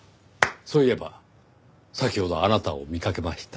そういえば先ほどあなたを見かけました。